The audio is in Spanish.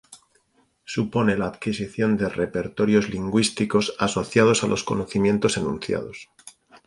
Supone la adquisición de repertorios lingüísticos asociados a los conocimientos enunciados.